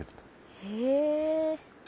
へえ。